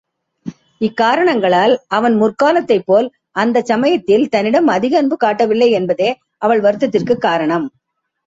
இக்காரணங்களால் அவன் முற்காலத்தைப் போல் அந்தச் சமயத்தில் தன்னிடம் அதிக அன்பு காட்டவில்லை என்பதே அவள் வருத்தத்திற்குக் காரணம்.